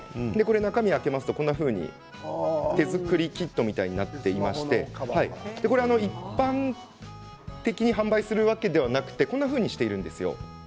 中身は手作りキットみたいになっていまして一般的に販売するわけではなくてこんなふうにしているんです。